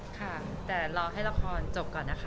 ค่ะแต่รอให้ละครจบก่อนนะคะ